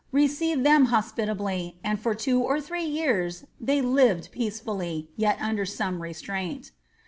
received them hospitably, and for two or three years they lived peacefully, yet under some restraint.